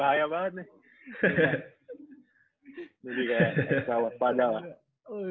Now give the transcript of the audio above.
hah bahaya banget nih